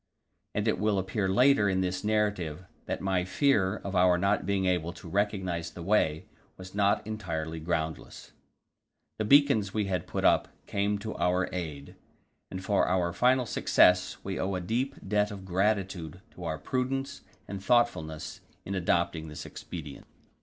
And it will appear later in this narrative that my fear of our not being able to recognize the way was not entirely groundless. The beacons we had put up came to our aid, and for our final success we owe a deep debt of gratitude to our prudence and thoughtfulness in adopting this expedient.